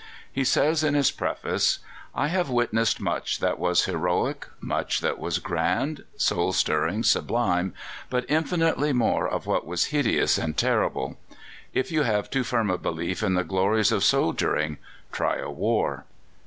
He says in his preface: "I have witnessed much that was heroic, much that was grand, soul stirring, sublime, but infinitely more of what was hideous and terrible. If you have too firm a belief in the glories of soldiering, try a war."